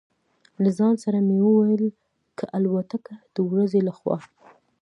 له ځان سره مې وویل: که الوتکه د ورځې له خوا.